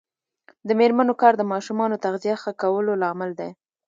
د میرمنو کار د ماشومانو تغذیه ښه کولو لامل دی.